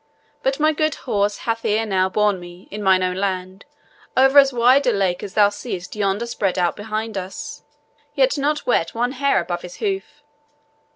But my good horse hath ere now borne me, in mine own land, over as wide a lake as thou seest yonder spread out behind us, yet not wet one hair above his hoof."